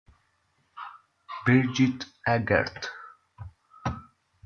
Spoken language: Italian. Birgit Eggert